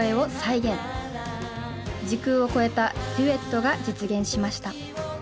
時空を超えたデュエットが実現しました。